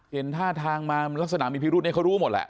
เห็นท่าทางมาลักษณะมีพิรุธเขารู้หมดแหละ